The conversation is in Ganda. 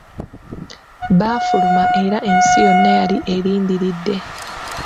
Baafuluma, era ensi yonna yali erindiridde.